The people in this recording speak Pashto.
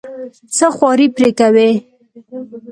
څه خواري پرې کوې.